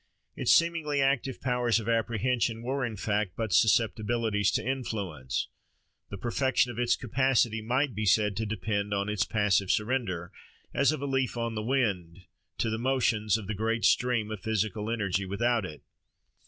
Its seemingly active powers of apprehension were, in fact, but susceptibilities to influence. The perfection of its capacity might be said to depend on its passive surrender, as of a leaf on the wind, to the motions of the great stream of physical energy without it.